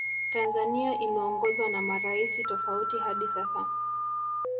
Tanzania imeongozwa na maraisi tofauti hadi sasa